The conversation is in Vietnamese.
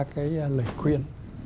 ba cái lời khuyên